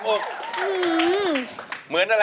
ขอบคุณมาก